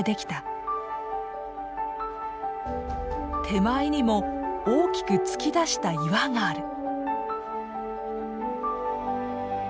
手前にも大きく突き出した岩がある。